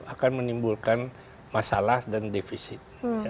akan menimbulkan masalah dan defisit